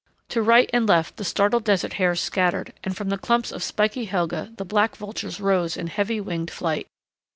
To right and left the startled desert hares scattered, and from the clumps of spiky helga the black vultures rose in heavy winged flight.